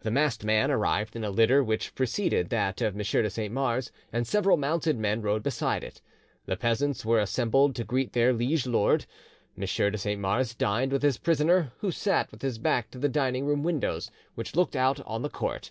The masked man arrived in a litter which preceded that of M. de Saint Mars, and several mounted men rode beside it. The peasants were assembled to greet their liege lord. M. de Saint Mars dined with his prisoner, who sat with his back to the dining room windows, which looked out on the court.